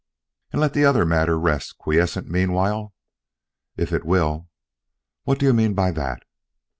"And let the other matter rest quiescent meanwhile?" "If it will." "What do you mean by that?"